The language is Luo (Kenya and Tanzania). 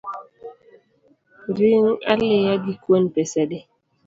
Ring aliya gi kuon pesa adi?